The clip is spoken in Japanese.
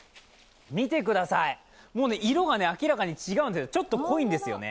見てください、色がね明らかに違うんですちょっと濃いんですよね。